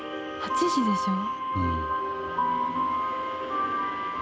８時でしょ？